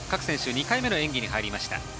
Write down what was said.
２回目の演技に入りました。